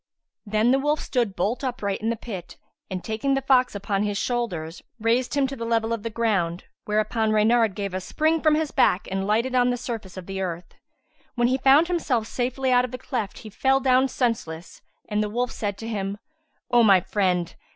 Then the wolf stood bolt upright in the pit and, taking the fox upon his shoulders, raised him to the level of the ground, whereupon Reynard gave a spring from his back and lighted on the surface of the earth. When he found himself safely out of the cleft he fell down senseless and the wolf said to him, "O my friend!